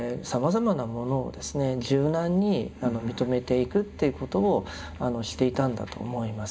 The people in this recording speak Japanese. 柔軟に認めていくっていうことをしていたんだと思います。